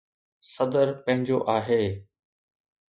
صدر پنهنجو آهي.